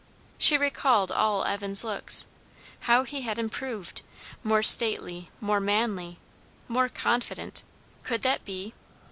She recalled all Evan's looks. How he had improved! More stately, more manly, more confident (could that be?)